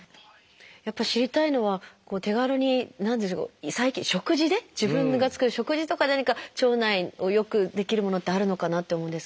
やっぱり知りたいのは手軽に食事で自分が作る食事とかで何か腸内を良くできるものってあるのかなって思うんですが。